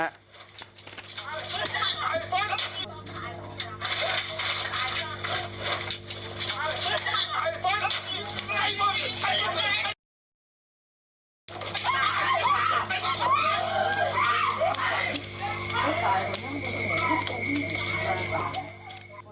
สุดท้ายคว่างน่องแต่ผู้หญิงห่ายฮะ